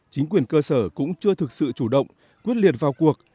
chính quyền cơ sở cũng chưa thực sự chủ động quyết liệt vào cuộc